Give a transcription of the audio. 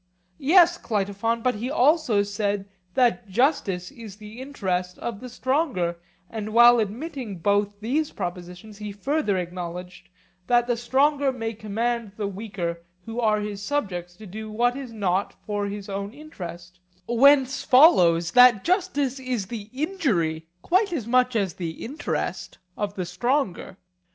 Yes, Cleitophon, but he also said that justice is the interest of the stronger, and, while admitting both these propositions, he further acknowledged that the stronger may command the weaker who are his subjects to do what is not for his own interest; whence follows that justice is the injury quite as much as the interest of the stronger.